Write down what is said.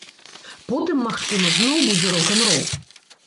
Потым, магчыма, зноў будзе рок-н-рол.